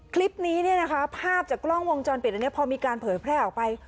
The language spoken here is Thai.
คลิปนี้เนี่ยนะคะภาพจากกล้องวงจรปิดอันนี้พอมีการเผยแพร่ออกไป